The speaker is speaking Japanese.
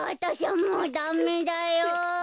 もうダメだよ。